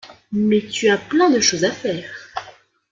Mais tu as plein de choses à faire.